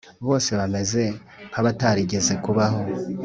Bose bameze nk abatarigeze kubaho